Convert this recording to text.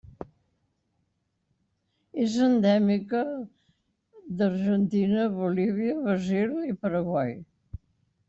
És endèmica d'Argentina, Bolívia, Brasil i Paraguai.